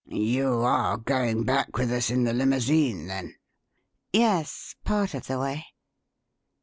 "You are going back with us in the limousine, then?" "Yes part of the way.